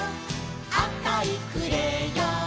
「あかいクレヨン」